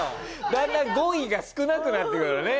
だんだん語彙が少なくなってくるね。